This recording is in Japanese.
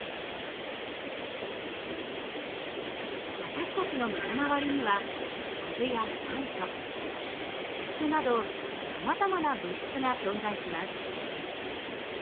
私たちの身の回りには水や酸素鉄などさまざまな物質が存在します。